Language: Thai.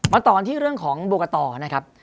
มาต่อที่เรื่องของโบกะตอร์นะครับ